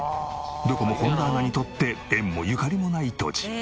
どこも本田アナにとって縁もゆかりもない土地。